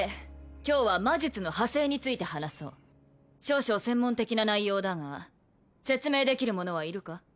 今日は魔術の派生について話そう少々専門的な内容だが説明できる者はいるか？